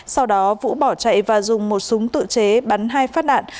sau đó vũ bỏ chạy và dùng một súng tự chế bắn hai phát đạn